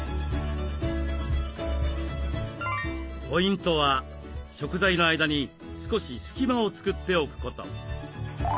ポイントは食材の間に少し隙間をつくっておくこと。